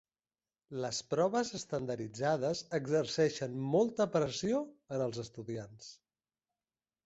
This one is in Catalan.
Les proves estandarditzades exerceixen molta pressió en els estudiants.